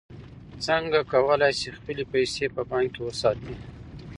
خلک کولای شي خپلې پیسې په بانک کې وساتي.